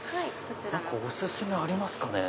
お薦めありますかね？